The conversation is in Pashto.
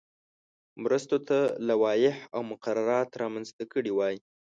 مرستو ته لوایح او مقررات رامنځته کړي وای.